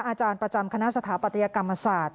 อาจารย์ประจำคณะสถาปัตยกรรมศาสตร์